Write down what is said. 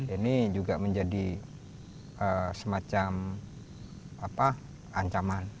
ini juga menjadi semacam ancaman